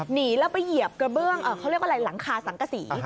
หนีแล้วไปเหยียบกระเบื้องเขาเรียกว่าอะไรหลังคาสังกษี